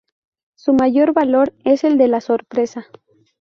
Su mayor valor es el de la sorpresa.